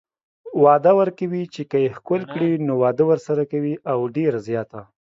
وعده ورکوي چې که يې ښکل کړي نو واده ورسره کوي او ډيره زياته